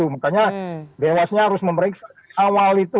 makanya dewasnya harus memeriksa awal itu